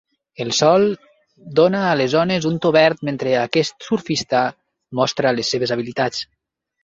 El sol dona a les ones un to verd mentre aquest surfista mostra les seves habilitats.